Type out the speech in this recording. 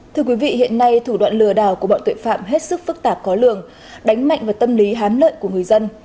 thưa quý vị hiện nay thủ đoạn lừa đảo của bọn tội phạm hết sức phức tạp khó lường đánh mạnh vào tâm lý hám lợi của người dân